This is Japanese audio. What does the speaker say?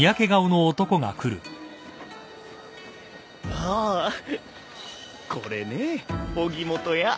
ああこれね荻本屋。